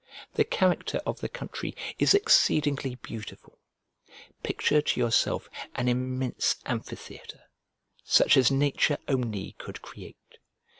The character of the country is exceedingly beautiful. Picture to yourself an immense amphitheatre, such as nature only could create.